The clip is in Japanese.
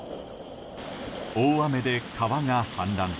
大雨で川が氾濫。